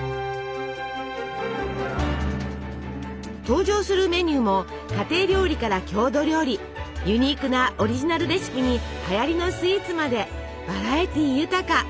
登場するメニューも家庭料理から郷土料理ユニークなオリジナルレシピにはやりのスイーツまでバラエティー豊か。